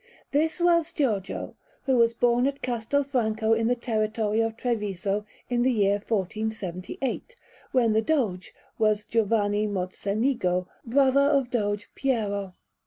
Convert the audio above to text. This was Giorgio, who was born at Castelfranco in the territory of Treviso, in the year 1478, when the Doge was Giovanni Mozzenigo, brother of Doge Piero.